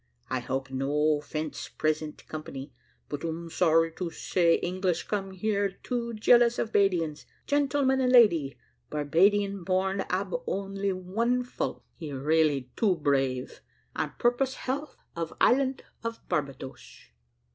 I hope no 'fence present company, but um sorry to say English come here too jealous of 'Badians. Gentlemen and lady Barbadian born ab only one fault he really too brave. I purpose health of `Island of Barbadoes.'"